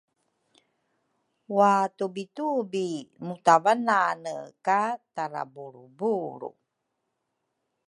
watupitupi mutavanane ka tarabulrubulru.